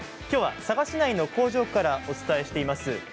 きょうは佐賀市内の工場からお伝えしています。